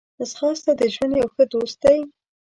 ځغاسته د ژوند یو ښه دوست دی